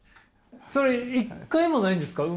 それ一回もないんですか？